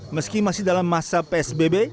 meski masih dalam masa psbb